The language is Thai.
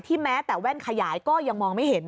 แม้แต่แว่นขยายก็ยังมองไม่เห็น